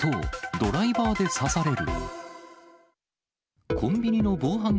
ドライバーで刺される。